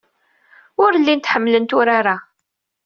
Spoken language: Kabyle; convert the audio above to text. Ur llint ḥemmlent urar-a.